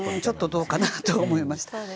ちょっとどうかなと思いました。